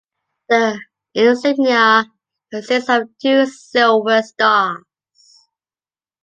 The insignia consists of two silver stars.